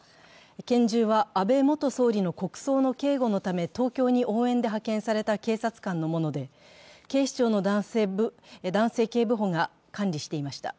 拳銃は安倍元総理の国葬の警護のため東京に応援で派遣された警察官のもので、警視庁の男性警部補が管理していました。